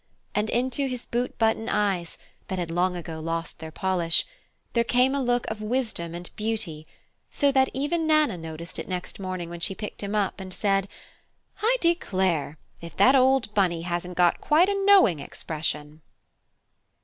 And into his boot button eyes, that had long ago lost their polish, there came a look of wisdom and beauty, so that even Nana noticed it next morning when she picked him up, and said, "I declare if that old Bunny hasn't got quite a knowing expression!"